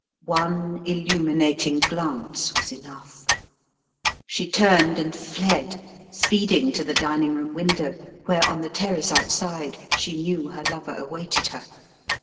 One illuminating glance was enough. She turned and fled, speeding to the dining room window, where on the terrace outside she knew her lover awaited her.